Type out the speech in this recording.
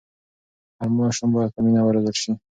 هر ماشوم باید په مینه وروزل سي.